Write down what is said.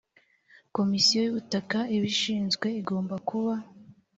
komisiyo y ubutaka ibishinzwe igomba kuba